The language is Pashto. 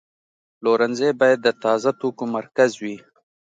پلورنځی باید د تازه توکو مرکز وي.